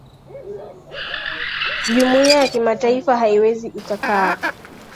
jumuiya ya kimataifa haiwezi ikakaa